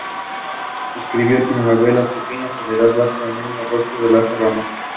Escribió telenovelas: Mi pequeña Soledad, Bajo un mismo rostro y Lazos de amor.